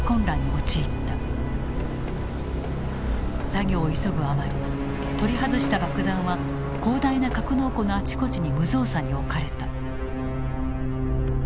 作業を急ぐあまり取り外した爆弾は広大な格納庫のあちこちに無造作に置かれた。